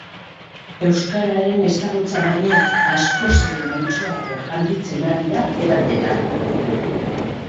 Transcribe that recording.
Euskararen ezagutza baino askoz ere mantsoago handitzen ari da erabilera.